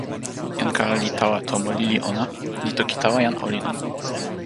jan kala li tawa tomo lili ona, li toki tawa jan olin ona.